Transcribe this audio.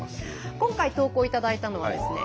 今回投稿いただいたのはですね